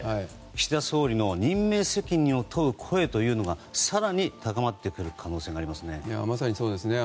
岸田総理の任命責任を問う声が更に高まってくる可能性がありますね。